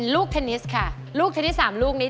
เทนนิสค่ะลูกเทนนิส๓ลูกนี้